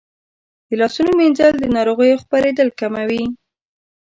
د لاسونو مینځل د ناروغیو خپرېدل کموي.